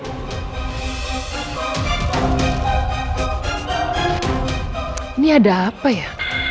ini ada apa ya